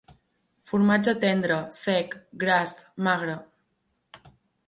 Formatge tendre, sec, gras, magre.